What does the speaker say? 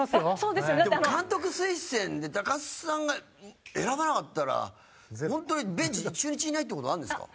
でも監督推薦で津さんが選ばなかったら本当にベンチに中日いないって事あるんですか？